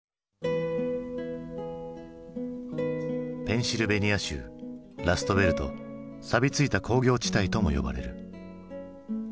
ペンシルベニア州ラストベルト「さび付いた工業地帯」とも呼ばれる。